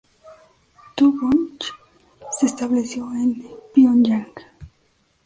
Tu-bong se estableció en Pionyang.